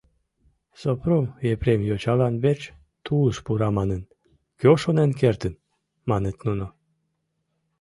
— Сопром Епрем йочалан верч тулыш пура манын, кӧ шонен кертын! — маныт нуно.